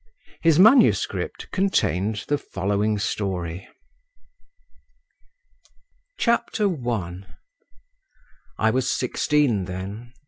His manuscript contained the following story:— I I was sixteen then.